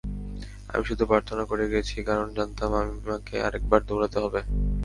আমি শুধু প্রার্থনা করে গেছি, কারণ জানতাম আমাকে আরেকবার দৌড়াতে হবে।